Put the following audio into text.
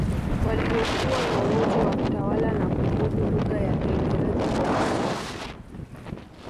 Waliokuwa na uwezo wa kutawala na kumudu lugha ya Kiingereza kwa ufasaha